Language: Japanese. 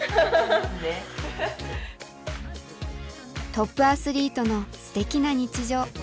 トップアスリートのすてきな日常。